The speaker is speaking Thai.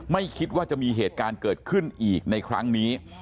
ไม่คิดว่าจะมีเหตุการณ์เกิดขึ้นอีกในครั้งนี้